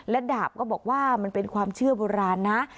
และดาบก็บอกว่ามันเป็นความเชื่อโบราณนะ